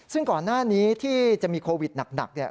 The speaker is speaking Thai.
ซึ่งก่อนหน้านี้ที่จะมีโควิดหนักเนี่ย